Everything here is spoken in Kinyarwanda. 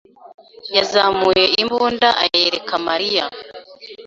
yazamuye imbunda ayereka Mariya.